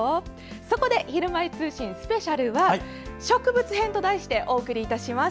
そこで「ひるまえ通信ＳＰ」は植物編と題してお送りいたします。